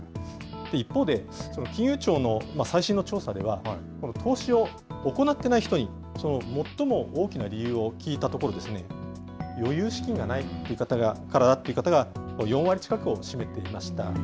一方で、金融庁の最新の調査では、投資を行っていない人に、最も大きな理由を聞いたところ、余裕資金がないからという方が４割近くを占めていました。